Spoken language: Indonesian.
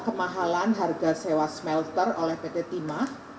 kemahalan harga sewa smelter oleh pt timah